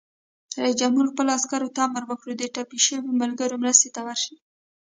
رئیس جمهور خپلو عسکرو ته امر وکړ؛ د ټپي شویو ملګرو مرستې ته ورشئ!